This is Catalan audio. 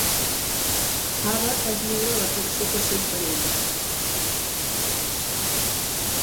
Ava es lliura a l'atracció que sent per ell.